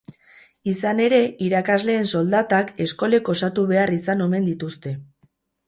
Izan ere, irakasleen soldatak eskolek osatu behar izan omen dituzte.